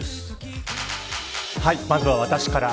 まずは、私から。